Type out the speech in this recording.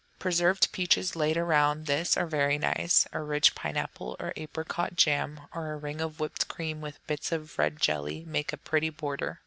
Preserved peaches laid around this are very nice, or rich pineapple, or apricot jam; or a ring of whipped cream, with bits of red jelly, make a pretty border.